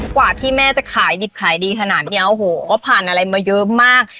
กว่าที่แม่จะขายดิบขายดีขนาดนี้โอ้โหก็ผ่านอะไรมาเยอะมาก